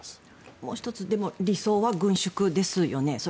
もう１つでも理想は軍縮ですよね。